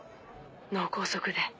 脳梗塞で。